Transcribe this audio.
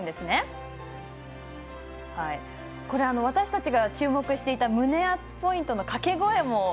私たちが注目していた胸熱ポイントの掛け声も。